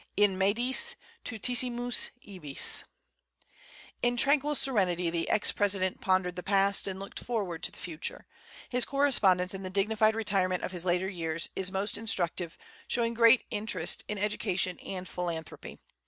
In mediis tutissimus ibis. In tranquil serenity the ex president pondered the past, and looked forward to the future. His correspondence in the dignified retirement of his later years is most instructive, showing great interest in education and philanthropy.